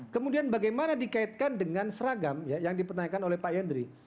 kemudian bagaimana dikaitkan dengan seragam yang dipertanyakan oleh pak yandri